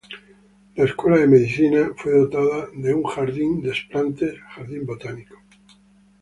La Escuela de medicina fue dotada de un "Jardin des plantes", Jardín botánico.